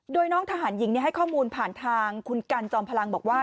โดยน้องทหารหญิงให้ข้อมูลผ่านทางคุณกันจอมพลังบอกว่า